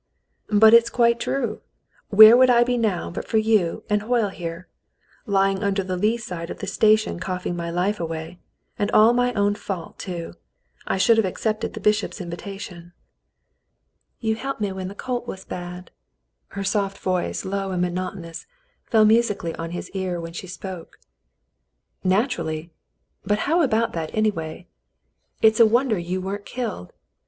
"But it is quite true. Where would I be now but for you and Hoyle here ^ Lying under the lee side of the station coughing my life away, — and all my own fault, too. I should have accepted the bishop's invitation." "You helped me when the colt was bad." Her soft voice, low and monotonous, fell musically on his ear when she spoke. "Naturally — but how about that, anyway? It's a The Mountain People 17 wonder you weren't killed.